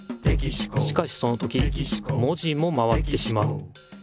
しかしその時文字も回ってしまう。